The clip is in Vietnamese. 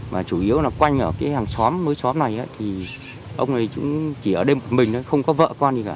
mà chủ yếu là quanh ở cái hàng xóm mối xóm này thì ông ấy cũng chỉ ở đây một mình thôi không có vợ con gì cả